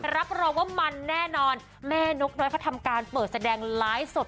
รับรองว่ามันแน่นอนแม่นกน้อยเขาทำการเปิดแสดงไลฟ์สด